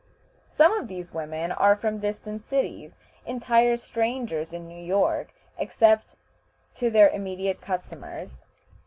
Some of these women are from distant cities; entire strangers in New York, except to their immediate customers.